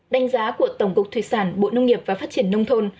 đánh giá của tổng cục thủy sản bộ nông nghiệp và phát triển nông thôn